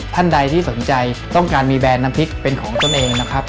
ท่านใดที่สนใจต้องการมีแบรนดน้ำพริกเป็นของตนเองนะครับ